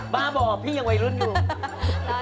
บ้าบอกหรอกกันแน่